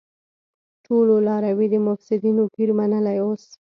ټولو لاروی د مفسيدينو پير منلی اوس